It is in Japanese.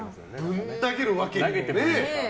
ぶん投げるわけにもね。